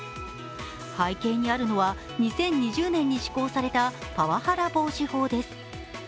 背景にあるのは２０２０年に施行されたパワハラ防止法です。